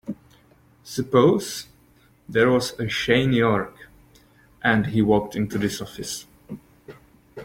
Suppose there was a Shane York and he walked into this office.